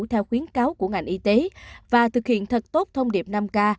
theo khuyến cáo của ngành y tế và thực hiện thật tốt thông điệp năm k